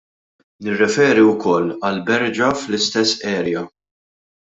Nirriferi wkoll għall-berġa fl-istess area.